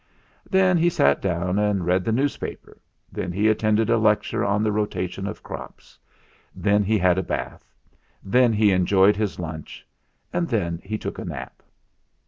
Then he sat down and read the newspaper ; then he attended a lecture on the rotation of crops; then he had a bath; then he enjoyed his lunch; and then he took a nap.